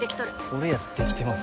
俺やってできてます